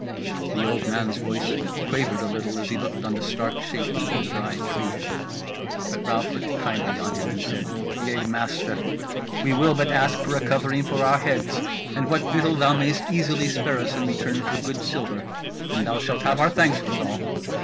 The old man's voice quavered a little as he looked on the stark shapes of the Dry Tree; but Ralph looked kindly on him, and said: "Yea, my master, we will but ask for a covering for our heads, and what victual thou mayst easily spare us in return for good silver, and thou shalt have our thanks withal.